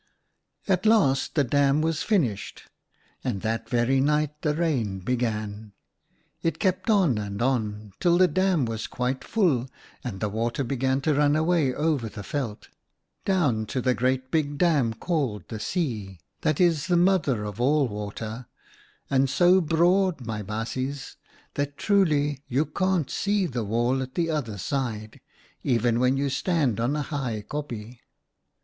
" At last the dam was finished, and that very night the rain began. It kept on and on, till the dam was quite full and the water began to run away over the veld, down to the great big dam called the Sea, that is the Mother of all water, and so broad, my baasjes, that truly you can't see the wall at the other side, even when you stand on a high kopje.